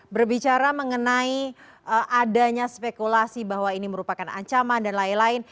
berbicara mengenai adanya spekulasi bahwa ini merupakan ancaman dan lain lain